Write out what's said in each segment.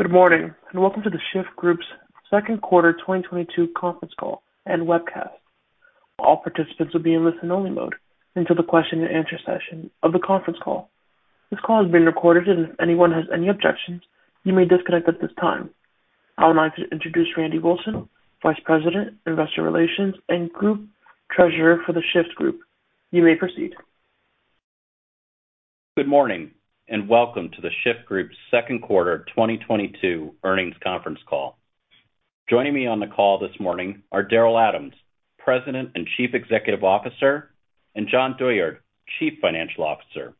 Good morning, and welcome to The Shyft Group's second quarter 2022 conference call and webcast. All participants will be in listen only mode until the question and answer session of the conference call. This call is being recorded, and if anyone has any objections, you may disconnect at this time. I would like to introduce Randy Wilson, Vice President, Investor Relations and Group Treasurer for The Shyft Group. You may proceed. Good morning, and welcome to The Shyft Group's second quarter 2022 earnings conference call. Joining me on the call this morning are Daryl Adams, President and Chief Executive Officer, and Jon Douyard, Chief Financial Officer.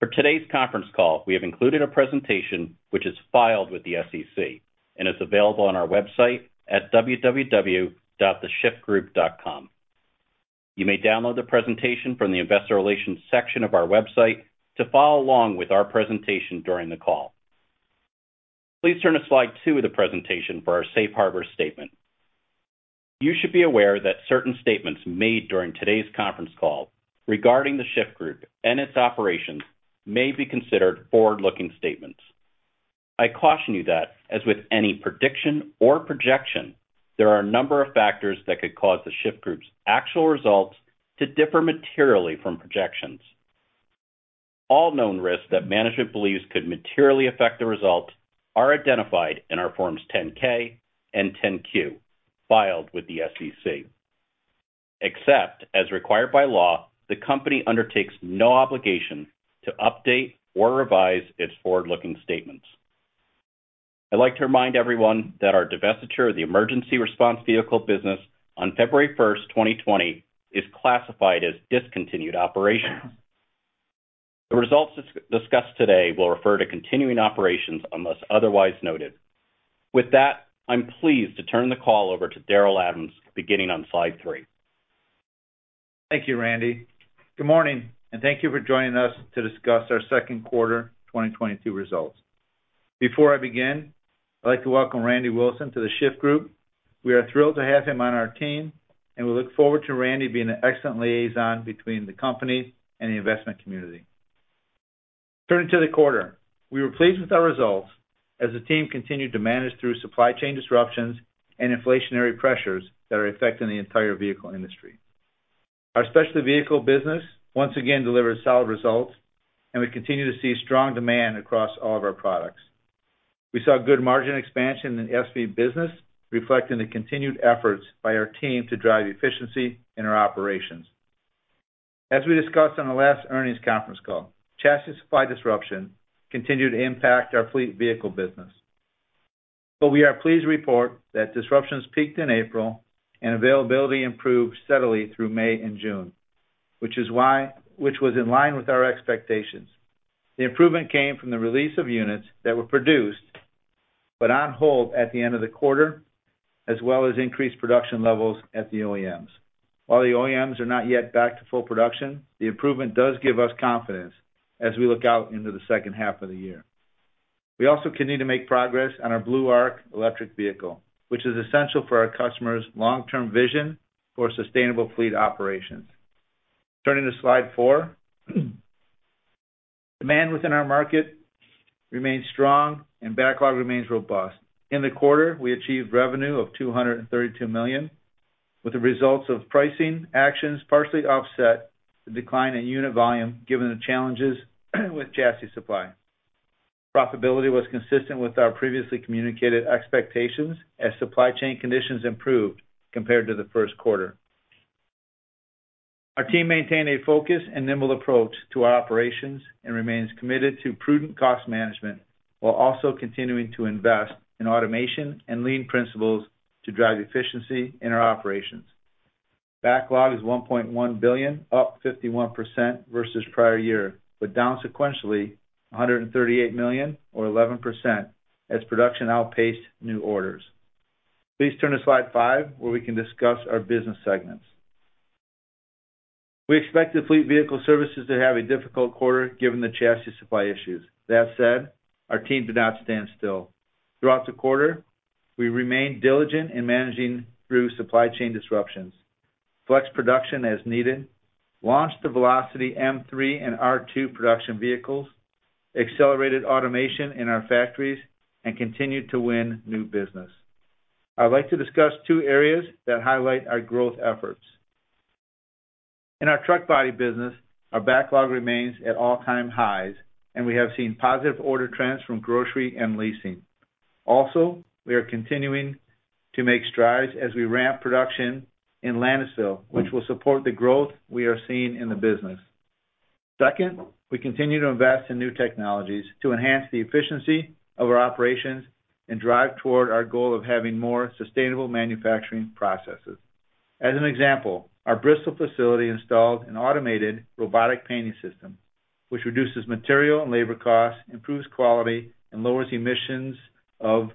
For today's conference call, we have included a presentation which is filed with the SEC and is available on our website at www.theshyftgroup.com. You may download the presentation from the investor relations section of our website to follow along with our presentation during the call. Please turn to slide 2 of the presentation for our safe harbor statement. You should be aware that certain statements made during today's conference call regarding The Shyft Group and its operations may be considered forward-looking statements. I caution you that, as with any prediction or projection, there are a number of factors that could cause The Shyft Group's actual results to differ materially from projections. All known risks that management believes could materially affect the results are identified in our Form 10-K and Form 10-Q filed with the SEC. Except as required by law, the company undertakes no obligation to update or revise its forward-looking statements. I'd like to remind everyone that our divestiture of the emergency response vehicle business on February 1, 2020, is classified as discontinued operations. The results discussed today will refer to continuing operations unless otherwise noted. With that, I'm pleased to turn the call over to Daryl Adams, beginning on slide three. Thank you, Randy. Good morning, and thank you for joining us to discuss our second quarter 2022 results. Before I begin, I'd like to welcome Randy Wilson to The Shyft Group. We are thrilled to have him on our team, and we look forward to Randy being an excellent liaison between the company and the investment community. Turning to the quarter, we were pleased with our results as the team continued to manage through supply chain disruptions and inflationary pressures that are affecting the entire vehicle industry. Our specialty vehicle business once again delivered solid results, and we continue to see strong demand across all of our products. We saw good margin expansion in the SV business, reflecting the continued efforts by our team to drive efficiency in our operations. As we discussed on the last earnings conference call, chassis supply disruption continued to impact our fleet vehicle business. We are pleased to report that disruptions peaked in April and availability improved steadily through May and June, which was in line with our expectations. The improvement came from the release of units that were produced but on hold at the end of the quarter, as well as increased production levels at the OEMs. While the OEMs are not yet back to full production, the improvement does give us confidence as we look out into the second half of the year. We also continue to make progress on our Blue Arc electric vehicle, which is essential for our customers' long-term vision for sustainable fleet operations. Turning to slide four. Demand within our market remains strong and backlog remains robust. In the quarter, we achieved revenue of $232 million, with the results of pricing actions partially offset the decline in unit volume given the challenges with chassis supply. Profitability was consistent with our previously communicated expectations as supply chain conditions improved compared to the first quarter. Our team maintained a focus and nimble approach to our operations and remains committed to prudent cost management while also continuing to invest in automation and lean principles to drive efficiency in our operations. Backlog is $1.1 billion, up 51% versus prior year, but down sequentially $138 million or 11% as production outpaced new orders. Please turn to slide five, where we can discuss our business segments. We expect the Fleet Vehicles and Services to have a difficult quarter given the chassis supply issues. That said, our team did not stand still. Throughout the quarter, we remained diligent in managing through supply chain disruptions, flexed production as needed, launched the Velocity M3 and R2 production vehicles, accelerated automation in our factories, and continued to win new business. I'd like to discuss two areas that highlight our growth efforts. In our truck body business, our backlog remains at all-time highs, and we have seen positive order trends from grocery and leasing. We are continuing to make strides as we ramp production in Lanesville, which will support the growth we are seeing in the business. Second, we continue to invest in new technologies to enhance the efficiency of our operations and drive toward our goal of having more sustainable manufacturing processes. As an example, our Bristol facility installed an automated robotic painting system, which reduces material and labor costs, improves quality, and lowers emissions of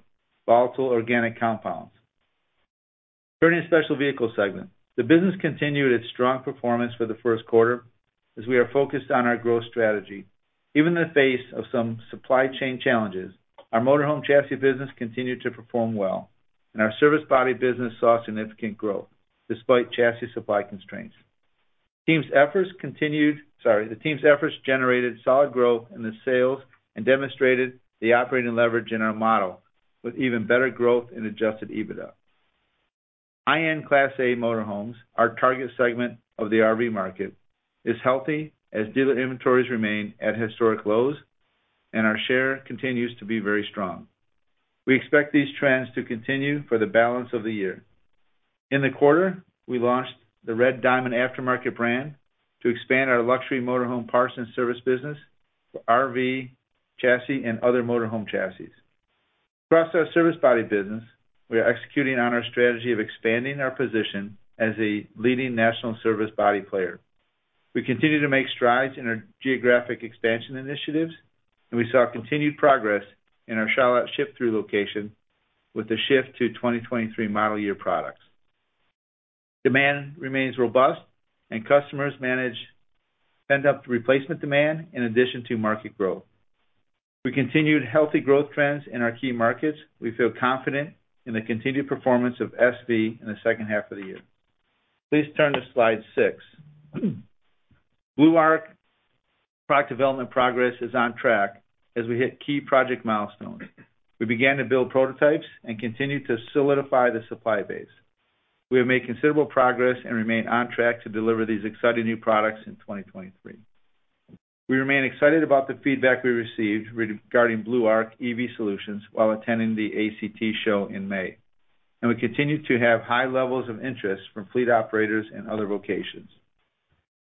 volatile organic compounds. Turning to special vehicle segment. The business continued its strong performance for the first quarter as we are focused on our growth strategy. Even in the face of some supply chain challenges, our motor home chassis business continued to perform well, and our service body business saw significant growth despite chassis supply constraints. The team's efforts generated solid growth in the sales and demonstrated the operating leverage in our model with even better growth in adjusted EBITDA. High-end Class A motor homes, our target segment of the RV market, is healthy as dealer inventories remain at historic lows, and our share continues to be very strong. We expect these trends to continue for the balance of the year. In the quarter, we launched the Red Diamond aftermarket brand to expand our luxury motor home parts and service business for RV chassis and other motor home chassis. Across our service body business, we are executing on our strategy of expanding our position as a leading national service body player. We continue to make strides in our geographic expansion initiatives, and we saw continued progress in our Charlotte ship-thru location with the shift to 2023 model year products. Demand remains robust and customers manage pent-up replacement demand in addition to market growth. We continued healthy growth trends in our key markets. We feel confident in the continued performance of SV in the second half of the year. Please turn to slide 6. Blue Arc product development progress is on track as we hit key project milestones. We began to build prototypes and continue to solidify the supply base. We have made considerable progress and remain on track to deliver these exciting new products in 2023. We remain excited about the feedback we received regarding Blue Arc EV solutions while attending the ACT Expo in May, and we continue to have high levels of interest from fleet operators and other locations.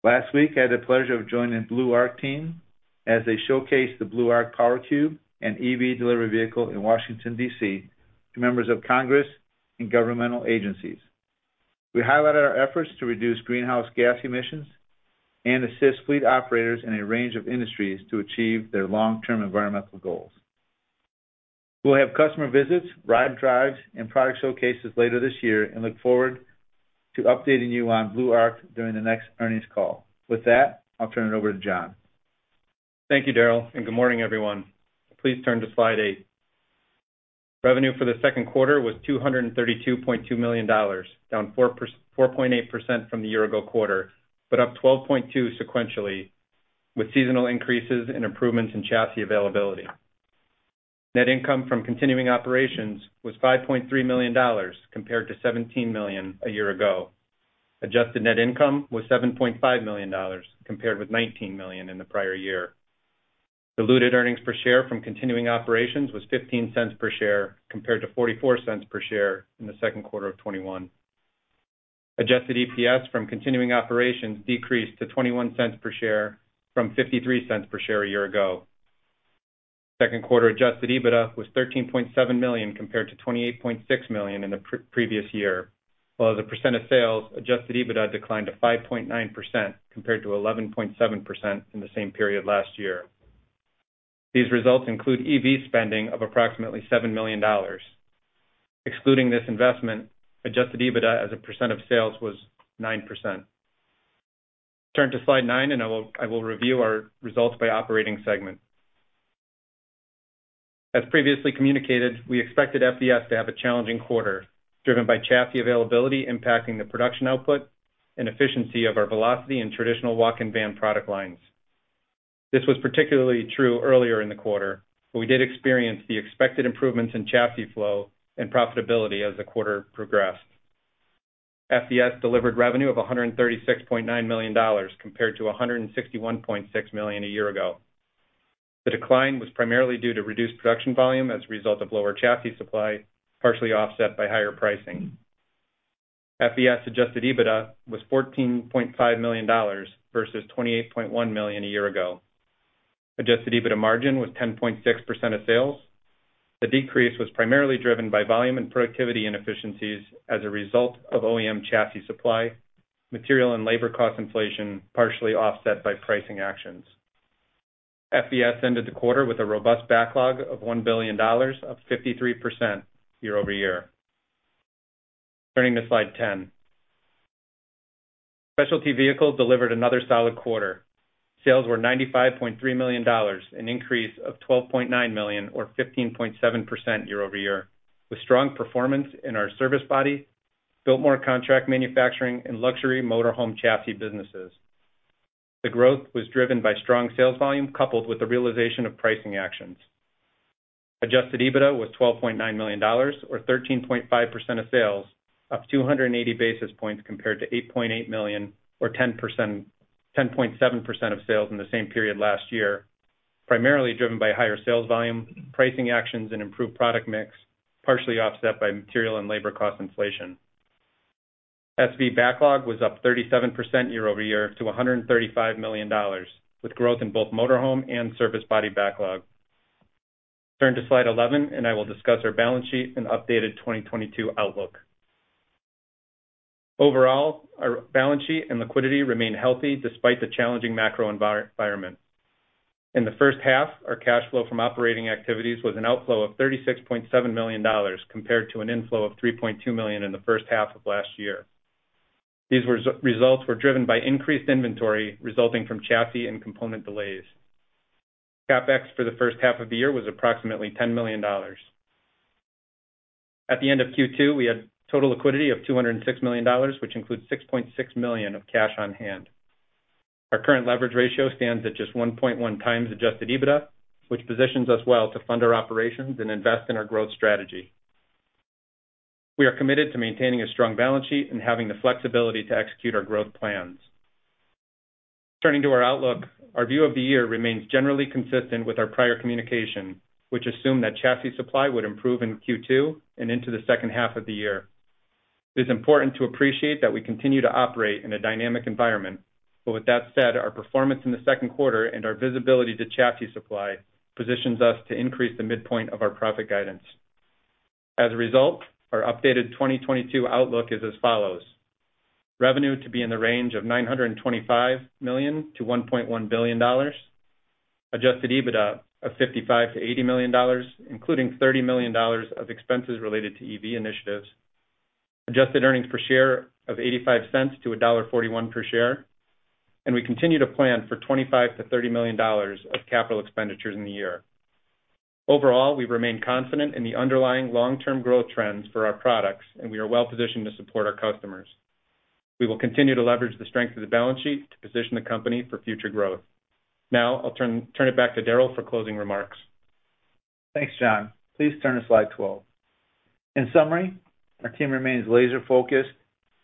Last week, I had the pleasure of joining Blue Arc team as they showcased the Blue Arc Power Cube and EV delivery vehicle in Washington, D.C., to members of Congress and governmental agencies. We highlighted our efforts to reduce greenhouse gas emissions and assist fleet operators in a range of industries to achieve their long-term environmental goals. We'll have customer visits, ride drives, and product showcases later this year and look forward to updating you on Blue Arc during the next earnings call. With that, I'll turn it over to Jon Douyard. Thank you, Daryl, and good morning, everyone. Please turn to slide 8. Revenue for the second quarter was $232.2 million, down 4.8% from the year ago quarter, but up 12.2% sequentially, with seasonal increases and improvements in chassis availability. Net income from continuing operations was $5.3 million compared to $17 million a year ago. Adjusted net income was $7.5 million compared with $19 million in the prior year. Diluted earnings per share from continuing operations was $0.15 per share compared to $0.44 per share in the second quarter of 2021. Adjusted EPS from continuing operations decreased to $0.21 per share from $0.53 per share a year ago. Second quarter adjusted EBITDA was $13.7 million compared to $28.6 million in the previous year, while, as a percent of sales, adjusted EBITDA declined to 5.9% compared to 11.7% in the same period last year. These results include EV spending of approximately $7 million. Excluding this investment, adjusted EBITDA as a percent of sales was 9%. Turn to slide 9, and I will review our results by operating segment. As previously communicated, we expected FVS to have a challenging quarter, driven by chassis availability impacting the production output and efficiency of our Velocity and traditional walk-in van product lines. This was particularly true earlier in the quarter, but we did experience the expected improvements in chassis flow and profitability as the quarter progressed. FVS delivered revenue of $136.9 million compared to $161.6 million a year ago. The decline was primarily due to reduced production volume as a result of lower chassis supply, partially offset by higher pricing. FVS adjusted EBITDA was $14.5 million versus $28.1 million a year ago. Adjusted EBITDA margin was 10.6% of sales. The decrease was primarily driven by volume and productivity inefficiencies as a result of OEM chassis supply, material and labor cost inflation, partially offset by pricing actions. FVS ended the quarter with a robust backlog of $1 billion, 53% year-over-year. Turning to slide 10. Specialty Vehicle delivered another solid quarter. Sales were $95.3 million, an increase of $12.9 million or 15.7% year-over-year, with strong performance in our service body, Builtmore contract manufacturing, and luxury motor home chassis businesses. The growth was driven by strong sales volume coupled with the realization of pricing actions. Adjusted EBITDA was $12.9 million or 13.5% of sales, up 280 basis points compared to $8.8 million or 10.7% of sales in the same period last year, primarily driven by higher sales volume, pricing actions, and improved product mix, partially offset by material and labor cost inflation. SV backlog was up 37% year-over-year to $135 million, with growth in both motor home and service body backlog. Turn to slide 11, and I will discuss our balance sheet and updated 2022 outlook. Overall, our balance sheet and liquidity remain healthy despite the challenging macro environment. In the first half, our cash flow from operating activities was an outflow of $36.7 million compared to an inflow of $3.2 million in the first half of last year. These results were driven by increased inventory resulting from chassis and component delays. CapEx for the first half of the year was approximately $10 million. At the end of Q2, we had total liquidity of $206 million, which includes $6.6 million of cash on hand. Our current leverage ratio stands at just 1.1 times adjusted EBITDA, which positions us well to fund our operations and invest in our growth strategy. We are committed to maintaining a strong balance sheet and having the flexibility to execute our growth plans. Turning to our outlook. Our view of the year remains generally consistent with our prior communication, which assumed that chassis supply would improve in Q2 and into the second half of the year. It is important to appreciate that we continue to operate in a dynamic environment. With that said, our performance in the second quarter and our visibility to chassis supply positions us to increase the midpoint of our profit guidance. As a result, our updated 2022 outlook is as follows. Revenue to be in the range of $925 million-$1.1 billion. Adjusted EBITDA of $55 million-$80 million, including $30 million of expenses related to EV initiatives. Adjusted earnings per share of $0.85-$1.41 per share. We continue to plan for $25-$30 million of capital expenditures in the year. Overall, we remain confident in the underlying long-term growth trends for our products, and we are well positioned to support our customers. We will continue to leverage the strength of the balance sheet to position the company for future growth. Now I'll turn it back to Daryl for closing remarks. Thanks, Jon Douyard. Please turn to slide 12. In summary, our team remains laser-focused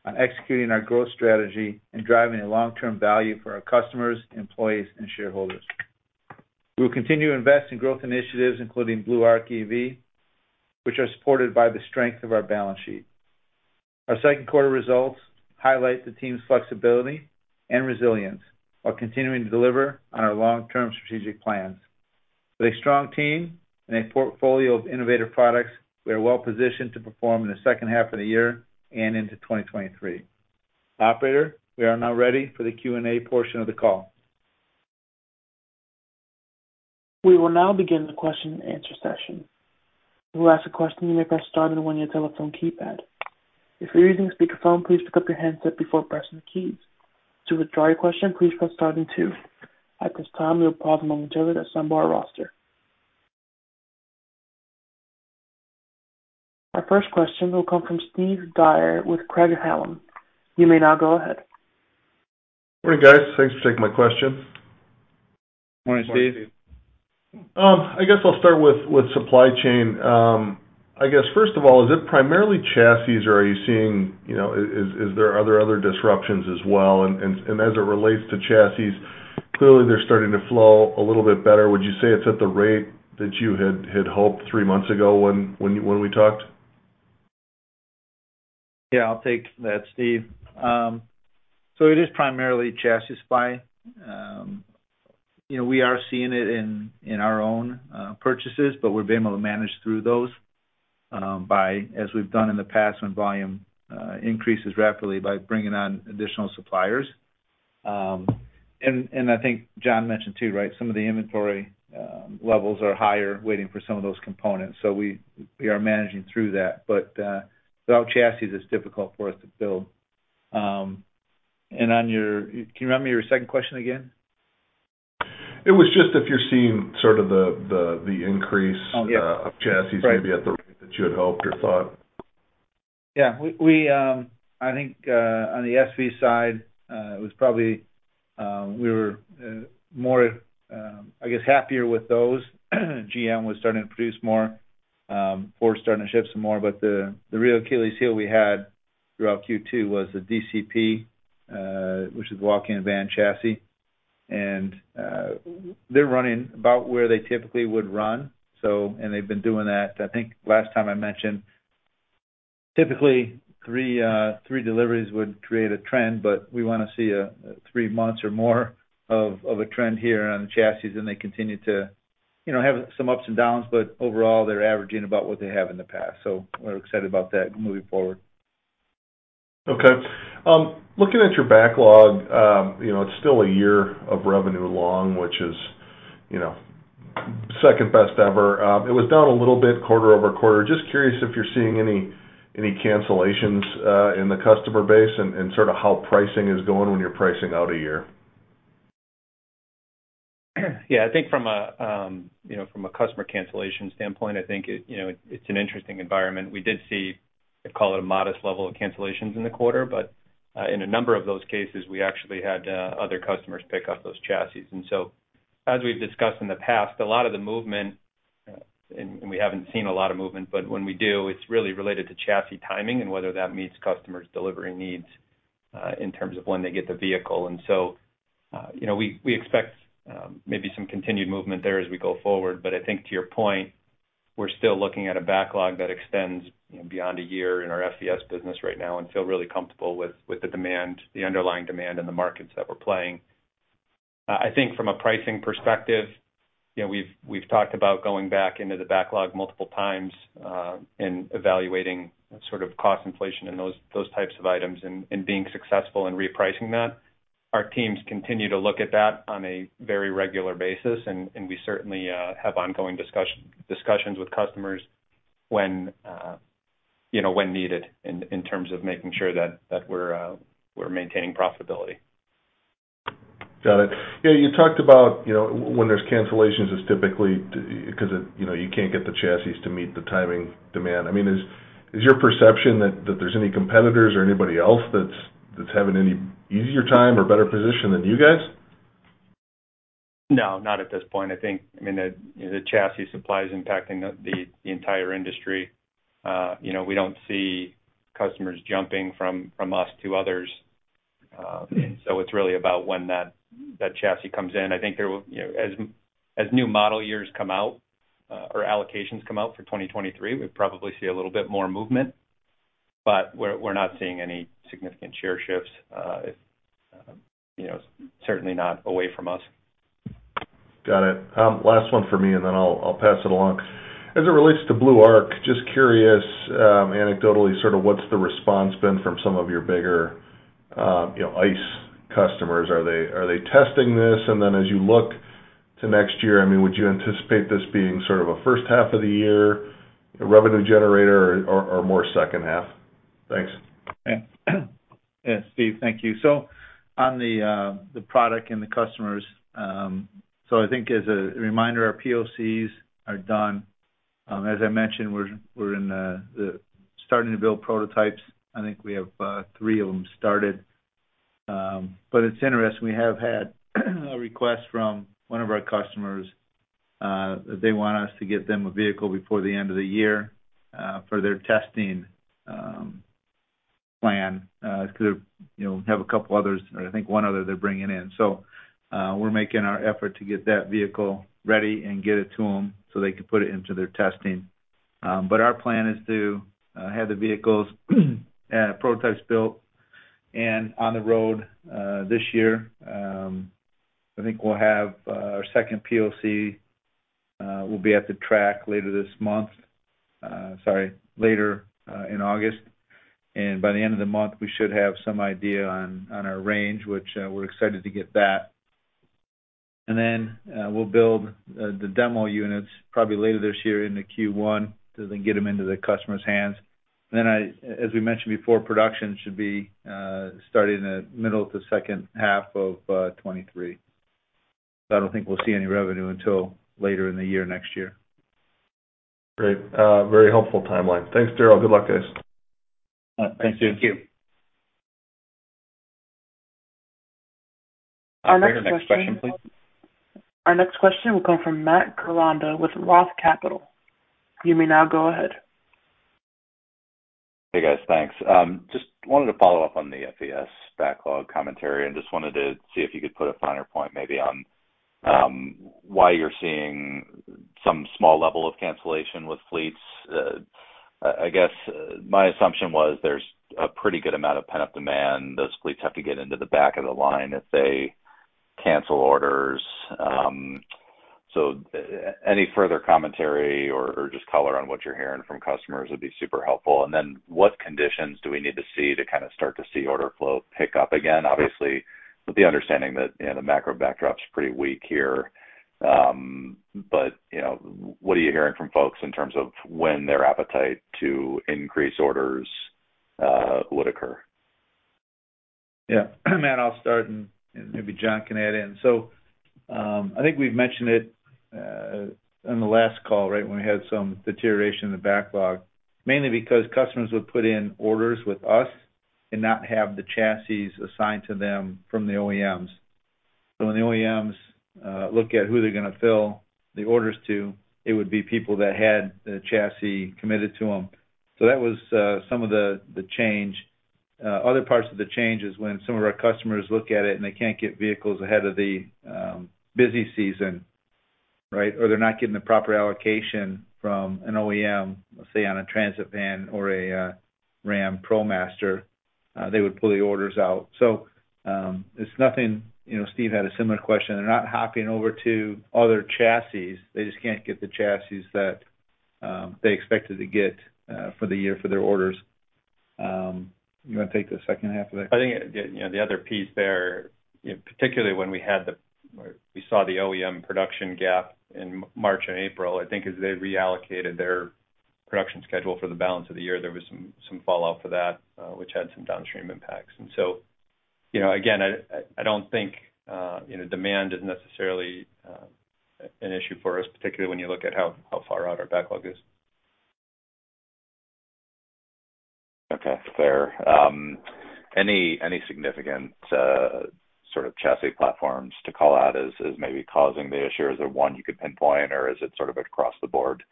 on executing our growth strategy and driving a long-term value for our customers, employees, and shareholders. We will continue to invest in growth initiatives, including Blue Arc EV, which are supported by the strength of our balance sheet. Our second quarter results highlight the team's flexibility and resilience while continuing to deliver on our long-term strategic plans. With a strong team and a portfolio of innovative products, we are well positioned to perform in the second half of the year and into 2023. Operator, we are now ready for the Q&A portion of the call. We will now begin the question and answer session. To ask a question, you may press star then one on your telephone keypad. If you're using a speakerphone, please pick up your handset before pressing the keys. To withdraw your question, please press star then two. At this time, we will pause a moment or two to assemble our roster. Our first question will come from Steve Dyer with Craig-Hallum. You may now go ahead. Morning, guys. Thanks for taking my question. Morning, Steve. I guess I'll start with supply chain. I guess, first of all, is it primarily chassis or are you seeing, you know, is there other disruptions as well? As it relates to chassis, clearly they're starting to flow a little bit better. Would you say it's at the rate that you had hoped three months ago when we talked? Yeah, I'll take that, Steve. It is primarily chassis supply. You know, we are seeing it in our own purchases, but we've been able to manage through those by, as we've done in the past, when volume increases rapidly by bringing on additional suppliers. I think Jon mentioned too, right? Some of the inventory levels are higher waiting for some of those components. We are managing through that. Without chassis, it's difficult for us to build. On your. Can you remind me your second question again? It was just if you're seeing sort of the increase. Oh, yeah. of chassis maybe at the rate that you had hoped or thought. I think on the SV side it was probably we were more I guess happier with those. GM was starting to produce more. Ford's starting to ship some more, but the real Achilles heel we had throughout Q2 was the DCP, which is walk-in van chassis. They're running about where they typically would run. They've been doing that, I think last time I mentioned. Typically, three deliveries would create a trend, but we wanna see a three months or more of a trend here on the chassis. They continue to you know have some ups and downs, but overall, they're averaging about what they have in the past. We're excited about that moving forward. Okay. Looking at your backlog, you know, it's still a year of revenue long, which is, you know, second best ever. It was down a little bit quarter-over-quarter. Just curious if you're seeing any cancellations in the customer base and sort of how pricing is going when you're pricing out a year. Yeah. I think from a, you know, from a customer cancellation standpoint, I think it, you know, it's an interesting environment. We did see, let's call it a modest level of cancellations in the quarter, but in a number of those cases, we actually had other customers pick up those chassis. As we've discussed in the past, a lot of the movement and we haven't seen a lot of movement, but when we do, it's really related to chassis timing and whether that meets customers' delivery needs in terms of when they get the vehicle. You know, we expect maybe some continued movement there as we go forward. I think to your point, we're still looking at a backlog that extends, you know, beyond a year in our FVS business right now and feel really comfortable with the demand, the underlying demand in the markets that we're playing. I think from a pricing perspective, you know, we've talked about going back into the backlog multiple times and evaluating sort of cost inflation and those types of items and being successful in repricing that. Our teams continue to look at that on a very regular basis, and we certainly have ongoing discussions with customers when, you know, when needed in terms of making sure that we're maintaining profitability. Got it. Yeah, you talked about, you know, when there's cancellations, it's typically because it, you know, you can't get the chassis to meet the timing demand. I mean, is your perception that there's any competitors or anybody else that's having any easier time or better position than you guys? No, not at this point. I think, I mean, the chassis supply is impacting the entire industry. You know, we don't see customers jumping from us to others. It's really about when that chassis comes in. I think there will. You know, as new model years come out, or allocations come out for 2023, we'd probably see a little bit more movement. We're not seeing any significant share shifts. You know, certainly not away from us. Got it. Last one for me, and then I'll pass it along. As it relates to Blue Arc, just curious, anecdotally, sort of what's the response been from some of your bigger, you know, ICE customers? Are they testing this? As you look to next year, I mean, would you anticipate this being sort of a first half of the year revenue generator or more second half? Thanks. Yeah. Yeah, Steve, thank you. On the product and the customers, I think as a reminder, our POCs are done. As I mentioned, we're starting to build prototypes. I think we have 3 of them started. But it's interesting, we have had a request from 1 of our customers that they want us to get them a vehicle before the end of the year for their testing plan 'cause they're, you know, have a couple others or I think 1 other they're bringing in. We're making our effort to get that vehicle ready and get it to them so they can put it into their testing. But our plan is to have the vehicles prototypes built and on the road this year. I think we'll have our second POC will be at the track later in August. By the end of the month, we should have some idea on our range, which we're excited to get that. We'll build the demo units probably later this year into Q1 to then get them into the customer's hands. I, as we mentioned before, production should be starting at middle of the second half of 2023. I don't think we'll see any revenue until later in the year, next year. Great. Very helpful timeline. Thanks, Daryl. Good luck, guys. All right. Thank you. Thank you. Our next question. Operator, next question, please. Our next question will come from Matthew Koranda with Roth Capital. You may now go ahead. Hey, guys. Thanks. Just wanted to follow up on the FVS backlog commentary and just wanted to see if you could put a finer point maybe on why you're seeing some small level of cancellation with fleets. I guess my assumption was there's a pretty good amount of pent-up demand. Those fleets have to get into the back of the line if they cancel orders. So any further commentary or just color on what you're hearing from customers would be super helpful. And then what conditions do we need to see to kind of start to see order flow pick up again? Obviously, with the understanding that, you know, the macro backdrop's pretty weak here. You know, what are you hearing from folks in terms of when their appetite to increase orders would occur? Yeah. Matt, I'll start, and maybe Jon can add in. I think we've mentioned it on the last call, right, when we had some deterioration in the backlog, mainly because customers would put in orders with us and not have the chassis assigned to them from the OEMs. When the OEMs look at who they're gonna fill the orders to, it would be people that had the chassis committed to them. That was some of the change. Other parts of the change is when some of our customers look at it and they can't get vehicles ahead of the busy season, right? Or they're not getting the proper allocation from an OEM, let's say, on a Transit van or a Ram ProMaster, they would pull the orders out. It's nothing, you know, Steve had a similar question. They're not hopping over to other chassis. They just can't get the chassis that they expected to get for the year for their orders. You wanna take the second half of that? I think, yeah, you know, the other piece there, you know, particularly when we saw the OEM production gap in March and April, I think as they reallocated their production schedule for the balance of the year, there was some fallout for that, which had some downstream impacts. You know, again, I don't think, you know, demand is necessarily an issue for us, particularly when you look at how far out our backlog is. Okay. Fair. Any significant sort of chassis platforms to call out as maybe causing the issue? Is there one you could pinpoint, or is it sort of across the board,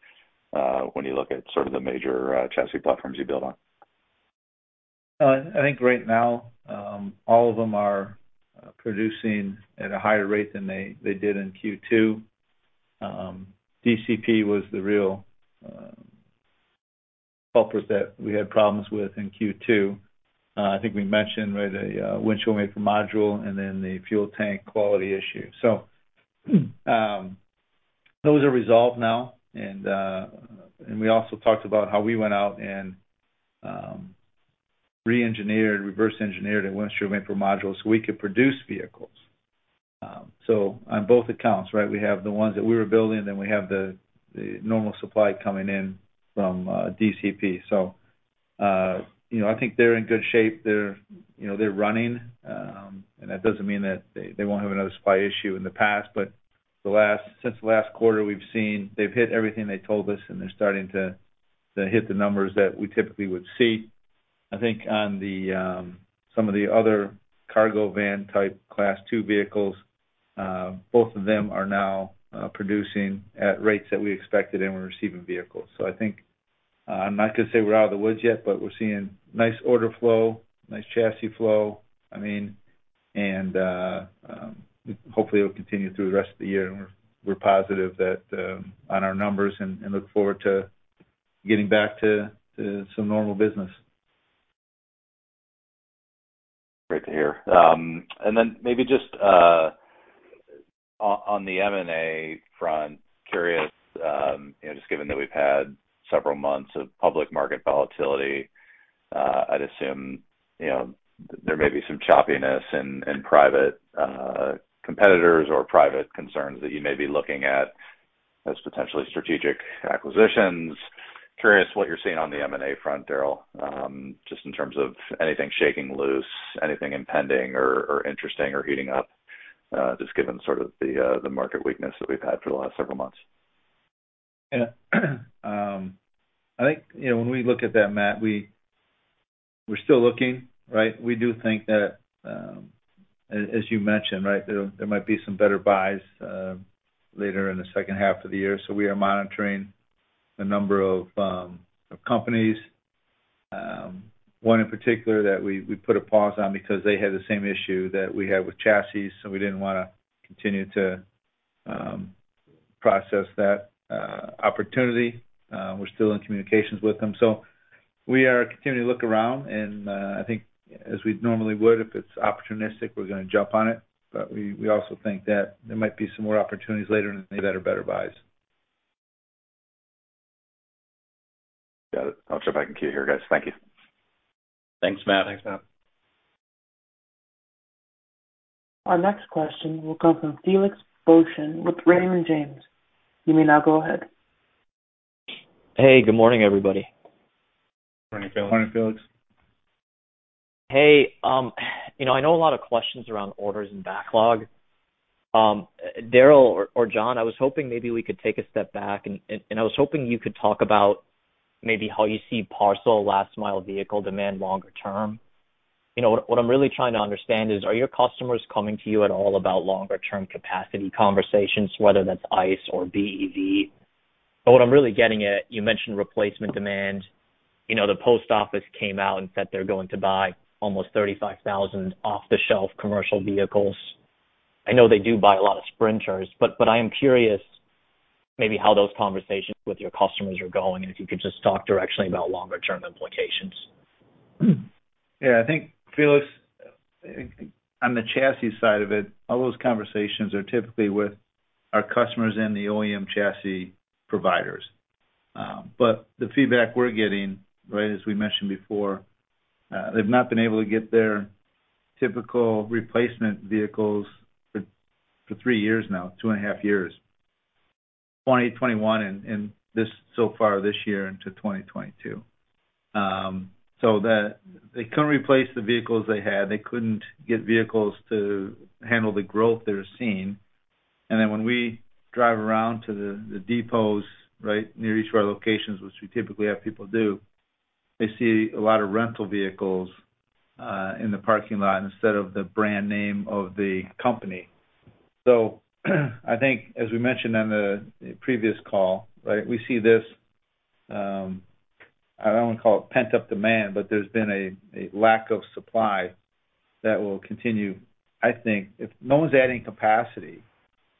when you look at sort of the major chassis platforms you build on? I think right now, all of them are producing at a higher rate than they did in Q2. DCP was the real culprit that we had problems with in Q2. I think we mentioned, right, a windshield wiper module and then the fuel tank quality issue. Those are resolved now, and and we also talked about how we went out and reverse engineered a windshield wiper module so we could produce vehicles. On both accounts, right, we have the ones that we were building, then we have the normal supply coming in from DCP. You know, I think they're in good shape. They're, you know, they're running, and that doesn't mean that they won't have another supply issue in the past. Since last quarter, we've seen they've hit everything they told us, and they're starting to hit the numbers that we typically would see. I think on some of the other cargo van type Class 2 vehicles, both of them are now producing at rates that we expected, and we're receiving vehicles. I think I'm not gonna say we're out of the woods yet, but we're seeing nice order flow, nice chassis flow. I mean, hopefully it'll continue through the rest of the year, and we're positive that on our numbers and look forward to getting back to some normal business. Great to hear. Maybe just on the M&A front, curious, you know, just given that we've had several months of public market volatility, I'd assume, you know, there may be some choppiness in private competitors or private concerns that you may be looking at as potentially strategic acquisitions. Curious what you're seeing on the M&A front, Daryl, just in terms of anything shaking loose, anything impending or interesting or heating up, just given sort of the market weakness that we've had for the last several months. Yeah. I think, you know, when we look at that, Matt, we're still looking, right? We do think that, as you mentioned, right, there might be some better buys later in the second half of the year. We are monitoring a number of companies. One in particular that we put a pause on because they had the same issue that we had with chassis, so we didn't wanna continue to process that opportunity. We're still in communications with them. We are continuing to look around, and I think as we normally would, if it's opportunistic, we're gonna jump on it. We also think that there might be some more opportunities later and maybe better buys. Got it. I'll check back in with you here, guys. Thank you. Thanks, Matt. Thanks, Matt. Our next question will come from Felix Boeschen with Raymond James. You may now go ahead. Hey, good morning, everybody. Morning, Felix. Morning, Felix. Hey, you know, I know a lot of questions around orders and backlog. Daryl or Jon, I was hoping maybe we could take a step back, and I was hoping you could talk about maybe how you see parcel last mile vehicle demand longer term. You know, what I'm really trying to understand is, are your customers coming to you at all about longer term capacity conversations, whether that's ICE or BEV? What I'm really getting at, you mentioned replacement demand. You know, the post office came out and said they're going to buy almost 35,000 off-the-shelf commercial vehicles. I know they do buy a lot of Sprinter, but I am curious maybe how those conversations with your customers are going, and if you could just talk directionally about longer term implications. Yeah. I think, Felix, on the chassis side of it, all those conversations are typically with our customers and the OEM chassis providers. But the feedback we're getting, right, as we mentioned before, they've not been able to get their typical replacement vehicles for 3 years now, 2.5 years, 2020, 2021, and this so far this year into 2022. So that they couldn't replace the vehicles they had. They couldn't get vehicles to handle the growth they're seeing. When we drive around to the depots, right, near each of our locations, which we typically have people do, they see a lot of rental vehicles in the parking lot instead of the brand name of the company. I think as we mentioned on the previous call, right? We see this, I don't want to call it pent-up demand, but there's been a lack of supply that will continue, I think. If no one's adding capacity,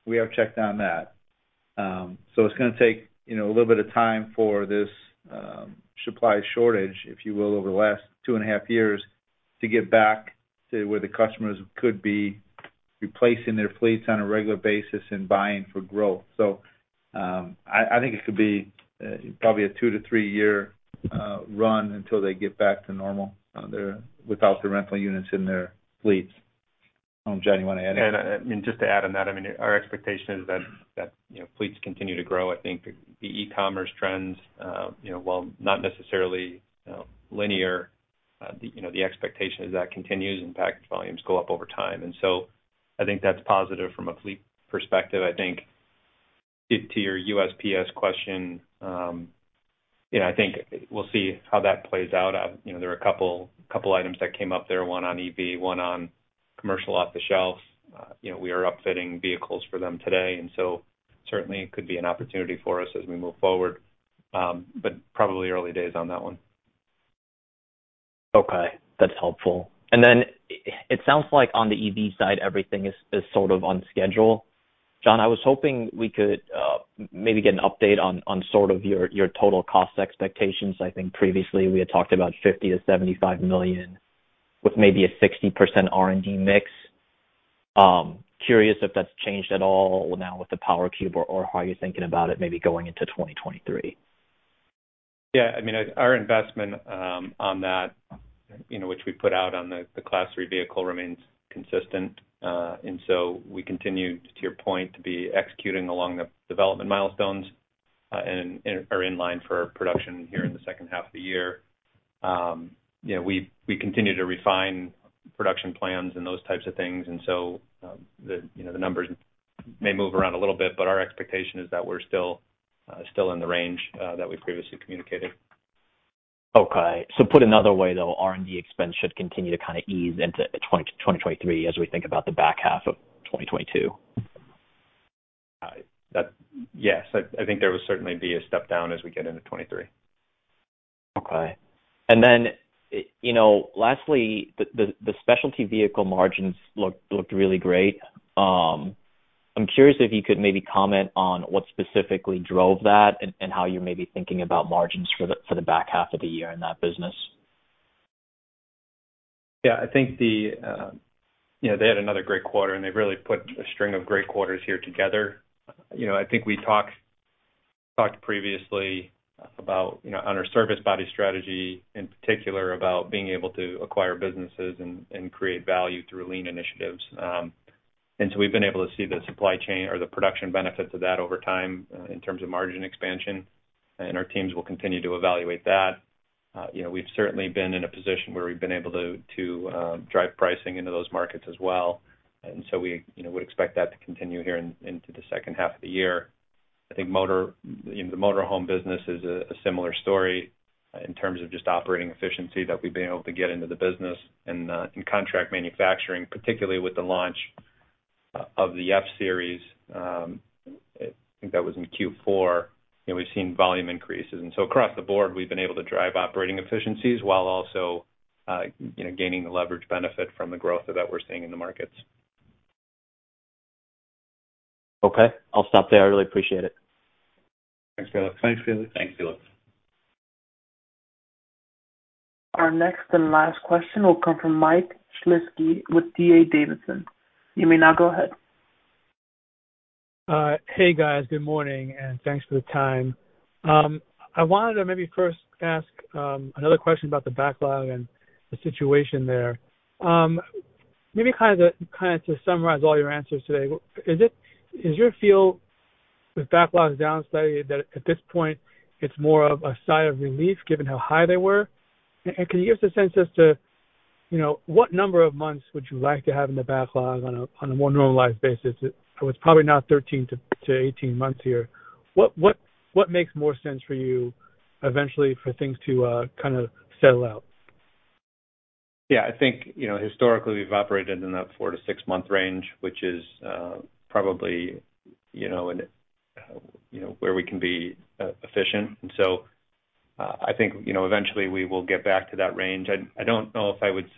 we have checked on that. It's gonna take, you know, a little bit of time for this supply shortage, if you will, over the last two and a half years to get back to where the customers could be replacing their fleets on a regular basis and buying for growth. I think it could be probably a 2-3-year run until they get back to normal there without the rental units in their fleets. Jon, you want to add anything? I mean, just to add on that, I mean, our expectation is that that you know, fleets continue to grow. I think the e-commerce trends, you know, while not necessarily, you know, linear, you know, the expectation is that continues and package volumes go up over time. I think that's positive from a fleet perspective. I think to your USPS question, you know, I think we'll see how that plays out. You know, there are a couple items that came up there, one on EV, one on commercial off-the-shelf. You know, we are upfitting vehicles for them today, and so certainly it could be an opportunity for us as we move forward. Probably early days on that one. Okay, that's helpful. It sounds like on the EV side, everything is sort of on schedule. Jon, I was hoping we could maybe get an update on sort of your total cost expectations. I think previously we had talked about $50 million-$75 million with maybe a 60% R&D mix. Curious if that's changed at all now with the PowerCube or how you're thinking about it maybe going into 2023. Yeah. I mean, our investment on that, you know, which we put out on the Class 3 vehicle remains consistent. We continue, to your point, to be executing along the development milestones and are in line for production here in the second half of the year. You know, we continue to refine production plans and those types of things. You know, the numbers may move around a little bit, but our expectation is that we're still in the range that we previously communicated. Okay. Put another way, though, R&D expense should continue to kind of ease into 2023 as we think about the back half of 2022. Yes, I think there will certainly be a step down as we get into 2023. Okay. You know, lastly, the specialty vehicle margins looked really great. I'm curious if you could maybe comment on what specifically drove that and how you may be thinking about margins for the back half of the year in that business. Yeah, I think the you know, they had another great quarter, and they've really put a string of great quarters here together. You know, I think we talked previously about, you know, on our service body strategy, in particular about being able to acquire businesses and create value through lean initiatives. We've been able to see the supply chain or the production benefits of that over time in terms of margin expansion. Our teams will continue to evaluate that. You know, we've certainly been in a position where we've been able to drive pricing into those markets as well. We would expect that to continue here into the second half of the year. I think in the motor home business is a similar story in terms of just operating efficiency that we've been able to get into the business and in contract manufacturing, particularly with the launch of the F-series, I think that was in Q4. You know, we've seen volume increases. Across the board, we've been able to drive operating efficiencies while also gaining the leverage benefit from the growth that we're seeing in the markets. Okay. I'll stop there. I really appreciate it. Thanks, Felix. Thanks, Felix. Thank you. Our next and last question will come from Michael Shlisky with D.A. Davidson. You may now go ahead. Hey, guys. Good morning, and thanks for the time. I wanted to maybe first ask another question about the backlog and the situation there. Maybe kind of to summarize all your answers today, is it your feel with backlogs down slightly that at this point it's more of a sigh of relief given how high they were? And can you give us a sense as to, you know, what number of months would you like to have in the backlog on a more normalized basis? It was probably not 13 to 18 months here. What makes more sense for you eventually for things to kind of settle out? Yeah, I think, you know, historically, we've operated in a 4-6-month range, which is probably, you know, where we can be efficient. I think, you know, eventually we will get back to that range. I don't know if I would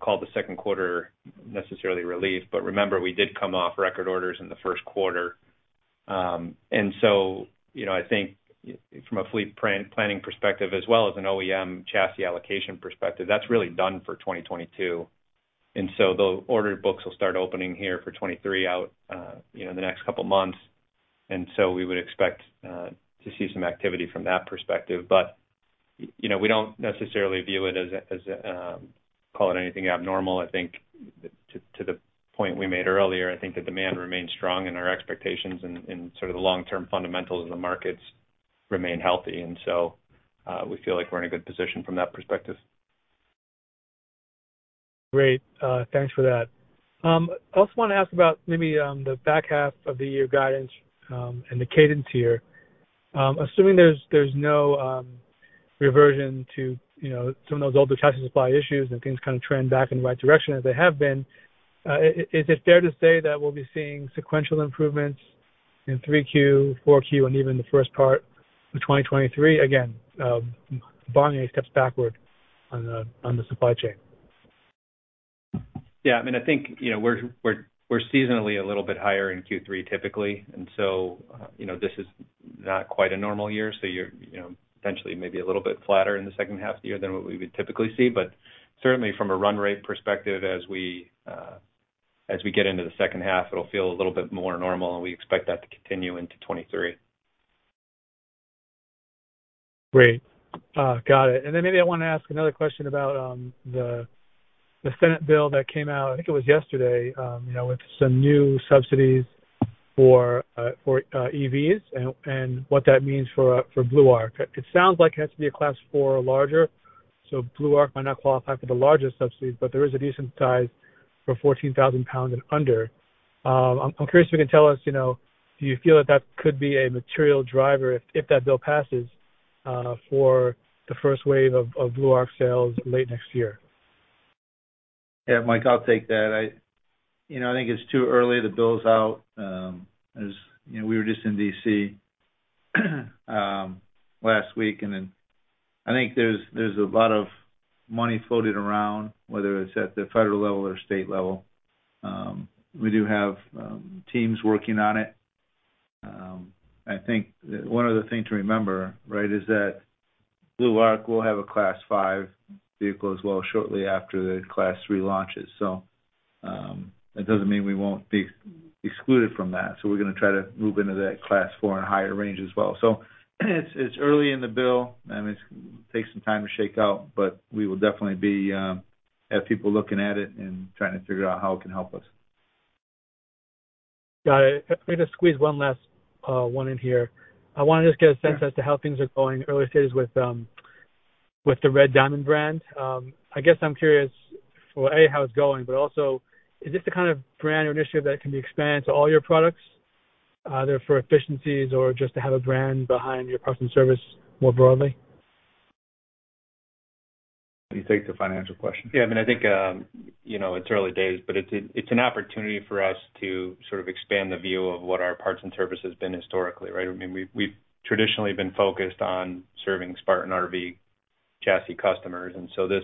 call the second quarter necessarily relief, but remember, we did come off record orders in the first quarter. I think from a fleet planning perspective as well as an OEM chassis allocation perspective, that's really done for 2022. The order books will start opening here for 2023 out, you know, in the next couple of months. We would expect to see some activity from that perspective. But, you know, we don't necessarily view it as a, call it, anything abnormal. I think to the point we made earlier, I think the demand remains strong and our expectations and sort of the long-term fundamentals of the markets remain healthy. We feel like we're in a good position from that perspective. Great. Thanks for that. I also want to ask about maybe the back half of the year guidance and the cadence here. Assuming there's no reversion to, you know, some of those older chassis supply issues and things kind of trend back in the right direction as they have been, is it fair to say that we'll be seeing sequential improvements in 3Q, 4Q, and even the first part of 2023, again, barring any steps backward on the supply chain? Yeah. I mean, I think, you know, we're seasonally a little bit higher in Q3, typically. This is not quite a normal year, so you're, you know, potentially maybe a little bit flatter in the second half of the year than what we would typically see. Certainly from a run rate perspective as we get into the second half, it'll feel a little bit more normal and we expect that to continue into 2023. Great. Got it. Maybe I want to ask another question about the Senate bill that came out, I think it was yesterday, you know, with some new subsidies for EVs and what that means for Blue Arc. It sounds like it has to be a Class 4 or larger, so Blue Arc might not qualify for the largest subsidy, but there is a decent size for 14,000 pounds and under. I'm curious if you can tell us, you know, do you feel that could be a material driver if that bill passes for the first wave of Blue Arc sales late next year? Yeah, Mike, I'll take that. You know, I think it's too early. The bill's out, as you know, we were just in D.C. last week, and then I think there's a lot of money floating around, whether it's at the federal level or state level. We do have teams working on it. I think one other thing to remember, right, is that Blue Arc will have a Class 5 vehicle as well shortly after the Class 3 launches. That doesn't mean we won't be excluded from that. We're gonna try to move into that Class 4 and higher range as well. It's early in the bill, and it takes some time to shake out, but we will definitely have people looking at it and trying to figure out how it can help us. Got it. Let me just squeeze one last one in here. I wanna just get a sense as to how things are going early stages with the Red Diamond brand. I guess I'm curious for, A, how it's going, but also is this the kind of brand or initiative that can be expanded to all your products there for efficiencies or just to have a brand behind your parts and service more broadly? You take the financial question. Yeah. I mean, I think, you know, it's early days, but it's an opportunity for us to sort of expand the view of what our parts and service has been historically, right? I mean, we've traditionally been focused on serving Spartan RV Chassis customers, and so this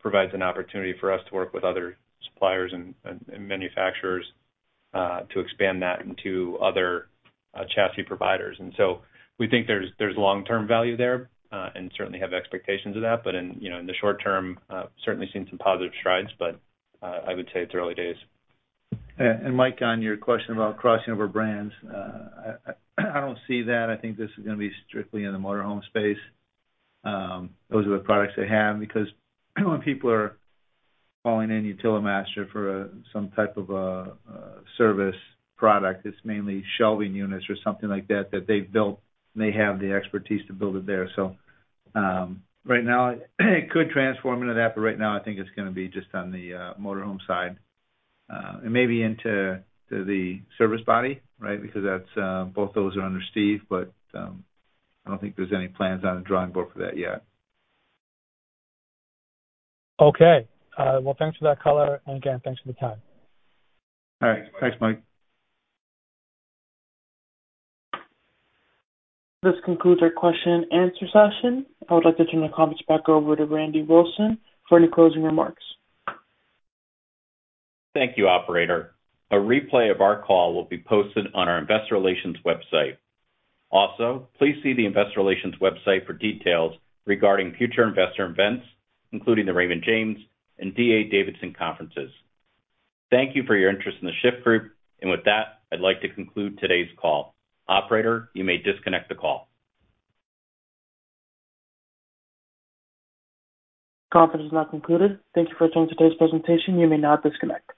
provides an opportunity for us to work with other suppliers and manufacturers to expand that into other chassis providers. We think there's long-term value there, and we certainly have expectations of that. In the short term, we've certainly seen some positive strides, but I would say it's early days. Yeah. Mike, on your question about crossing over brands, I don't see that. I think this is gonna be strictly in the motor home space. Those are the products they have, because when people are calling in Utilimaster for some type of service product, it's mainly shelving units or something like that they've built and they have the expertise to build it there. Right now, it could transform into that, but right now I think it's gonna be just on the motor home side. Maybe into the service body, right? Because that's both those are under Steve, but I don't think there's any plans on the drawing board for that yet. Okay. Well, thanks for that color, and again, thanks for the time. All right. Thanks, Mike. This concludes our question and answer session. I would like to turn the conference back over to Randy Wilson for any closing remarks. Thank you, operator. A replay of our call will be posted on our investor relations website. Also, please see the investor relations website for details regarding future investor events, including the Raymond James and D.A. Davidson conferences. Thank you for your interest in The Shyft Group. With that, I'd like to conclude today's call. Operator, you may disconnect the call. Conference is now concluded. Thank you for attending today's presentation. You may now disconnect.